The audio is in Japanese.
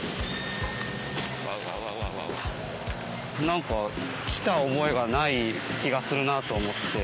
何か来た覚えがない気がするなあと思って。